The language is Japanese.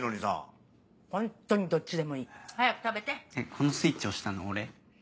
このスイッチ押したの俺？